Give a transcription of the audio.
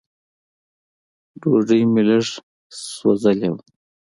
ډوډۍ مې لږ سوځېدلې وه.